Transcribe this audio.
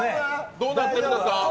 どうなってるんですか。